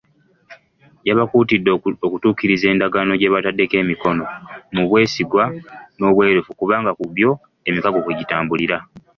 Yabakuutidde okutuukiriza endaaagano gye bataddeko emikono mu bwesigwa n'obwerufu kubanga ku bbyo, emikago kwegitambulira.